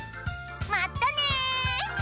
まったね！